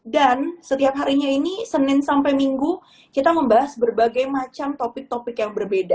dan setiap harinya ini senin sampai minggu kita membahas berbagai macam topik topik yang berbeda